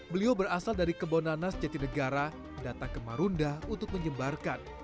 beliau berasal dari kebonanas jatinegara datang ke marunda untuk menyebarkan